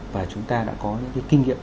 và chúng ta đã có những cái kinh nghiệm